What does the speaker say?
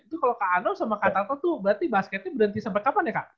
itu kalau kak ano sama katato tuh berarti basketnya berhenti sampai kapan ya kak